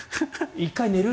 １回寝る？